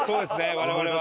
我々は。